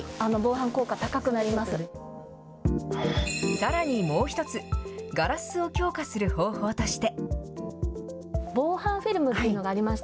さらにもう１つ、ガラスを強化する方法として。